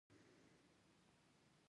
ځینې محصلین د خپلې کورنۍ تمې پوره کوي.